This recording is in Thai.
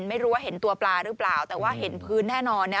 ไม่รู้ว่าเห็นตัวปลาหรือเปล่าแต่ว่าเห็นพื้นแน่นอน